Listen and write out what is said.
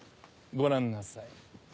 ご覧なさい